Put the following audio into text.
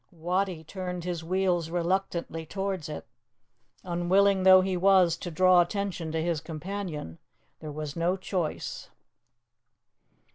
Wattie turned his wheels reluctantly towards it. Unwilling though he was to draw attention to his companion, there was no choice.